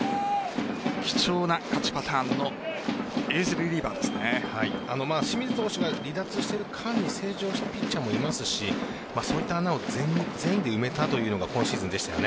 貴重な勝ちパターンの清水投手が成長してピッチャーもいますしそういった穴を全員で埋めたというのが今シーズンでした。